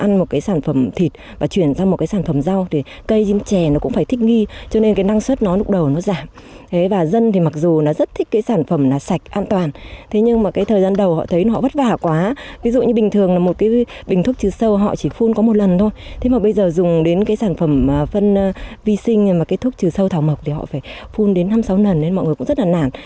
họ chỉ phun có một lần thôi thế mà bây giờ dùng đến cái sản phẩm phân vi sinh mà cái thuốc trừ sâu thảo mộc thì họ phải phun đến năm sáu lần nên mọi người cũng rất là nản